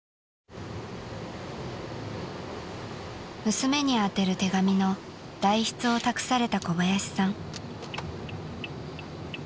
［娘に宛てる手紙の代筆を託された小林さん］